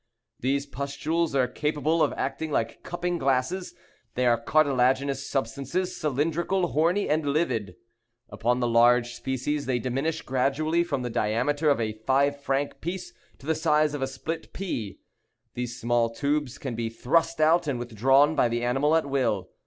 These pustules are capable of acting like cupping glasses. They are cartilaginous substances, cylindrical, horny, and livid. Upon the large species they diminish gradually from the diameter of a five franc piece to the size of a split pea. These small tubes can be thrust out and withdrawn by the animal at will.